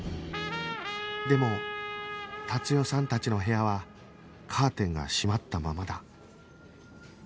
でも達代さんたちの部屋はカーテンが閉まったままだ